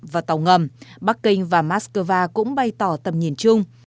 và tàu ngầm bắc kinh và moscow cũng bày tỏ tầm nhìn chung